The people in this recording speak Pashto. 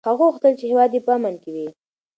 هغه غوښتل چې هېواد یې په امن کې وي.